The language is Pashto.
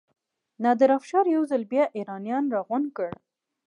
نادر افشار یو ځل بیا ایرانیان راغونډ کړل.